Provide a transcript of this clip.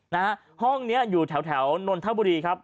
นะฮะห้องเนี้ยอยู่แถวแถวนนทบุรีครับ